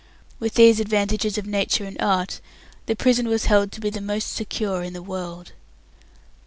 With these advantages of nature and art, the prison was held to be the most secure in the world.